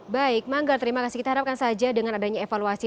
baik manggar terima kasih kita harapkan saja dengan adanya evaluasi